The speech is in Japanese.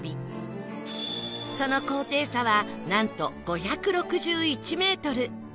その高低差はなんと５６１メートル